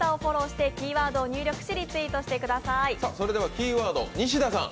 キーワード、西田さん